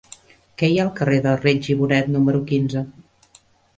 Què hi ha al carrer de Reig i Bonet número quinze?